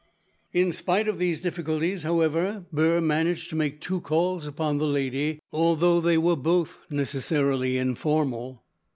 In spite of these difficulties, however, Burr managed to make two calls upon the lady, although they were both necessarily informal.